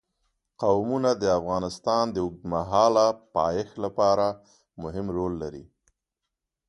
قومونه د افغانستان د اوږدمهاله پایښت لپاره مهم رول لري.